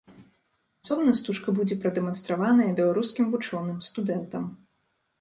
Асобна стужка будзе прадэманстраваная беларускім вучоным, студэнтам.